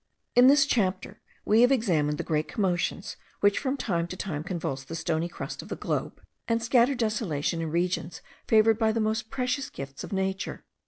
In this chapter we have examined the great commotions which from time to time convulse the stony crust of the globe, and scatter desolation in regions favoured by the most precious gifts of nature.